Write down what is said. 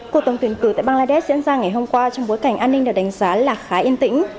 cuộc tổng tuyển cử tại bangladesh diễn ra ngày hôm qua trong bối cảnh an ninh được đánh giá là khá yên tĩnh